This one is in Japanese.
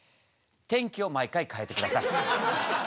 天気を毎回かえて下さい。